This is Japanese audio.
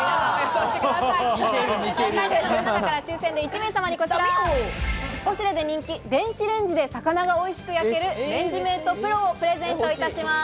正解した方の中から抽選で１名様にこちら、ポシュレで人気、電子レンジで魚が美味しく焼ける「レンジメートプロ」をプレゼントいたします。